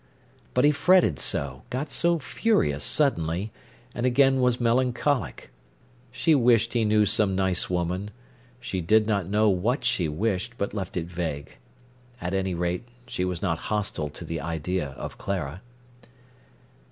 But he fretted so, got so furious suddenly, and again was melancholic. She wished he knew some nice woman—She did not know what she wished, but left it vague. At any rate, she was not hostile to the idea of Clara.